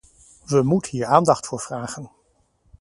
We moet hier aandacht voor vragen.